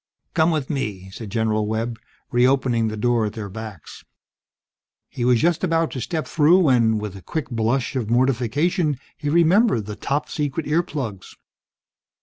"Come with me," said General Webb, re opening the door at their backs. He was just about to step through when, with a quick blush of mortification, he remembered the "Top Secret" earplugs.